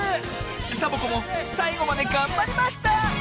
サボ子もさいごまでがんばりました！